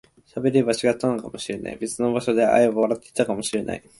喋れば違ったのかもしれない、別の場所で会えば笑っていたかもしれない